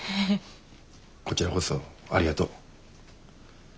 こちらこそありがとう。